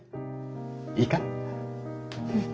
いいか？